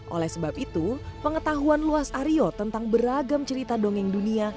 oleh sebab itu pengetahuan luas aryo tentang beragam cerita dongeng dunia